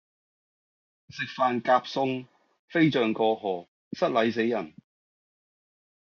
食飯夾餸飛象過河失禮死人